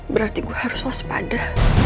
berarti gue harus waspada